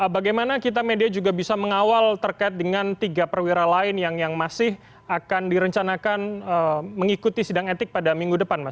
bagaimana kita media juga bisa mengawal terkait dengan tiga perwira lain yang masih akan direncanakan mengikuti sidang etik pada minggu depan mas